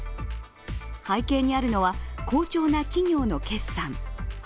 背景にあるのは、好調な企業の決算